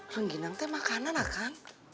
rengginang teh makanan ah kang